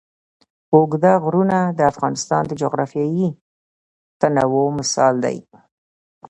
اوږده غرونه د افغانستان د جغرافیوي تنوع مثال دی.